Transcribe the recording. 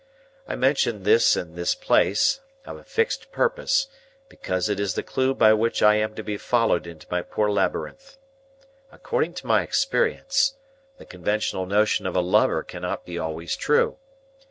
I mention this in this place, of a fixed purpose, because it is the clue by which I am to be followed into my poor labyrinth. According to my experience, the conventional notion of a lover cannot be always true.